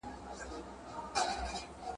سارنګۍ ته ټینګېدلای نه سي زغري